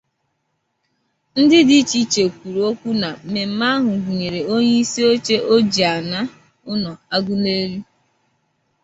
Ndị dị iche iche kwuru okwu na mmemme ahụ gụnyèrè onyeisioche Ojiana Ụnọ Aguleri